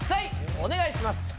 お願いします。